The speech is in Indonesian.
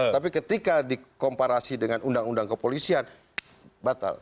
tapi ketika dikomparasi dengan undang undang kepolisian batal